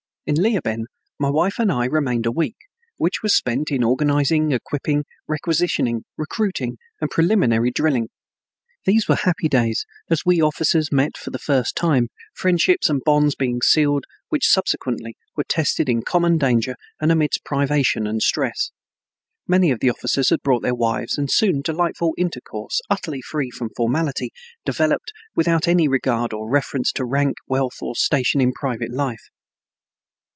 In Leoben my wife and I remained a week, which was spent in organizing, equipping, requisitioning, recruiting, and preliminary drilling. These were happy days, as we officers met for the first time, friendships and bonds being sealed which subsequently were tested in common danger and amidst privation and stress. Many of the officers had brought their wives and soon delightful intercourse, utterly free from formality, developed, without any regard or reference to rank, wealth, or station in private life.